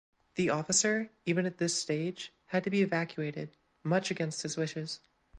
The officer even at this stage had to be evacuated much against his wishes.